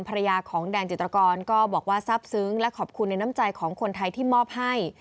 ภรรยาของแดนจิตรกรก็บอกว่าซับซึ้งและขอบคุณในน้ำใจของคนไทยที่มอบให้